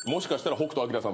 北斗さん